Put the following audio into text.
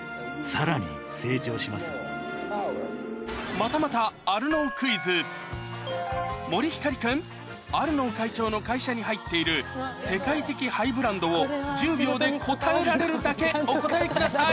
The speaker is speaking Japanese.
またまた森星君アルノー会長の会社に入っている世界的ハイブランドを１０秒で答えられるだけお答えください